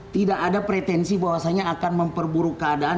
tidak ada pretensi bahwasanya akan memperburuk keadaan